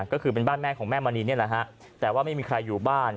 ก็คือเป็นบ้านแม่ของแม่มณีนี่แหละฮะแต่ว่าไม่มีใครอยู่บ้าน